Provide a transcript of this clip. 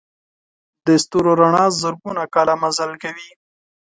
د ستورو رڼا زرګونه کاله مزل کوي.